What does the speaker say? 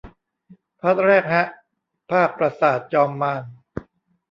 พาร์ทแรกฮะ ภาคปราสาทจอมมาร